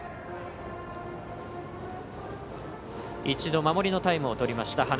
一度守りのタイムをとりました。